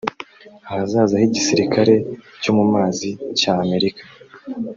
Ahazaza h’igisirikare cyo mu mazi cya Amerika